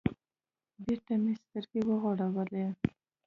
بېرته مې سترگې وغړولې.